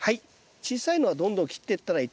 小さいのはどんどん切ってったらいいと思います。